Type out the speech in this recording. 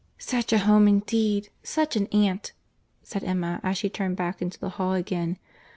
"Such a home, indeed! such an aunt!" said Emma, as she turned back into the hall again.